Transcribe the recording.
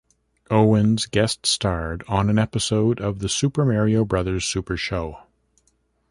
Owens guest starred on an episode of The Super Mario Brothers Super Show!